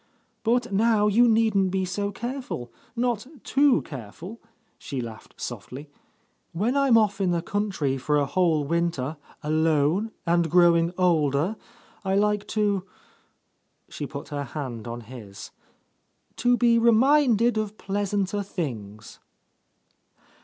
But now you needn't be so careful. Not too careful!" she laughed softly. "When I'm off in the country for a whole winter, alone, and growing older, I like to ..." she put her hand on his, "to be reminded of pleas anter things."